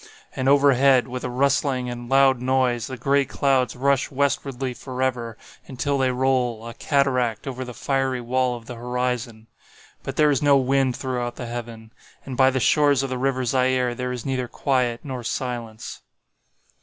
And overhead, with a rustling and loud noise, the gray clouds rush westwardly forever, until they roll, a cataract, over the fiery wall of the horizon. But there is no wind throughout the heaven. And by the shores of the river Zaire there is neither quiet nor silence.